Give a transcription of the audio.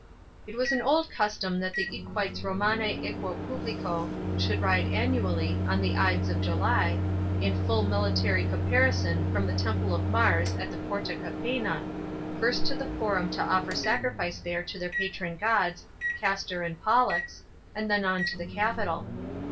It was an old custom that the equites ftomani equo publico should ride annually, on the Ides of July, in full military caparison from the Temple of Mars at the Porta Capena, first to the Forum to offer sacrifice there to their patron gods, Castor and Pollux, and then on to the Capitol.